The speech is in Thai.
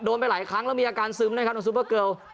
ไปหลายครั้งแล้วมีอาการซึมนะครับน้องซูเปอร์เกิล